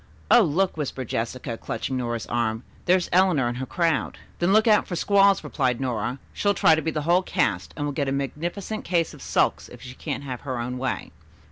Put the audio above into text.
"Oh, look!" whispered Jessica, clutching Nora's arm. "There's Eleanor and her crowd." "Then look out for squalls," replied Nora. "She'll try to be the whole cast, and will get a magnificent case of sulks if she can't have her own way."